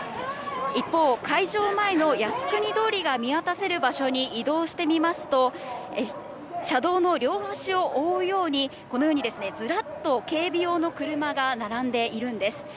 一方、会場前の靖国通りが見渡せる場所に移動してみますと、車道の両端を覆うように、このようにずらっと警備用の車が並んでいるんです。